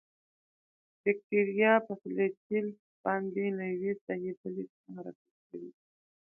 باکتریا په فلاجیل باندې له یوې ساحې بلې ته حرکت کوي.